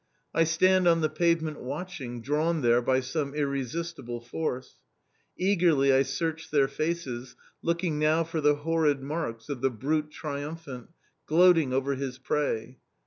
I stand on the pavement watching, drawn there by some irresistible force. Eagerly I search their faces, looking now for the horrid marks of the brute triumphant, gloating over his prey.